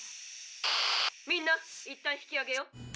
「みんないったん引きあげよ。